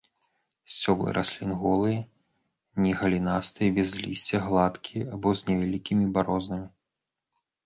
Сцёблы раслін голыя, не галінастыя, без лісця, гладкія або з невялікімі барознамі.